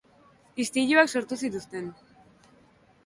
Istiluak sortu zituzten.